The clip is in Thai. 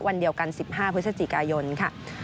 วันเดียวกัน๑๕พฤศจิกายนค่ะ